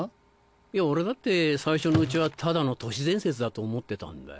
いや俺だって最初のうちはただの都市伝説だと思ってたんだ。